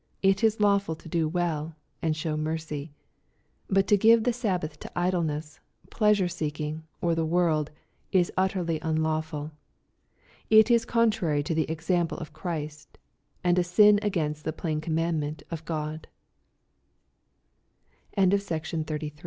" It is lawful to do well," and show mercy. But to give the Sabbath to idleness, pleasure seeking, or the world, is utterly unlawfuL It is contrary to the example of Christ, and a sin against a plain commandment of